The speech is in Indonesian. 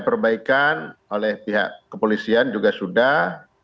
perbaikan oleh pihak kepolisian juga sudah